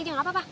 jangan lupa pak